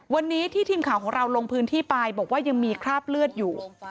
วันนี้ที่ทีมข่าวของเราลงพื้นที่ไปบอกว่ายังมีคราบเลือดอยู่